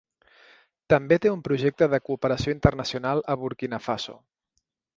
També té un projecte de cooperació internacional a Burkina Faso.